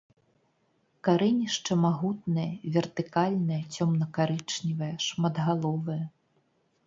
Карэнішча магутнае, вертыкальнае, цёмна-карычневае, шматгаловае.